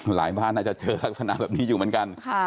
บ้านน่าจะเจอลักษณะแบบนี้อยู่เหมือนกัน